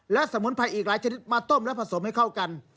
และสมุนไพรอีกหลายชนิดมาต้มและผสมให้เข้ากัน